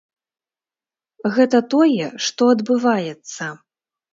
Гэта тое, што адбываецца.